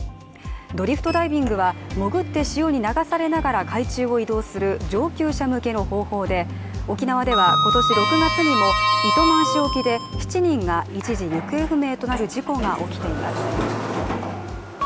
ドリフトダイビングは潜って潮に流されながら海中を移動する、上級者向けの方法で沖縄では今年６月にも糸満市沖で７人が一時行方不明となる事故が起きています。